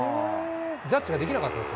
ジャッジができなかったんです。